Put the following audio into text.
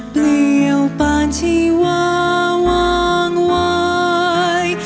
เปลี่ยวปานชีวาวางไว้